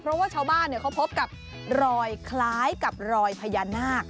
เพราะว่าชาวบ้านเขาพบกับรอยคล้ายกับรอยพญานาค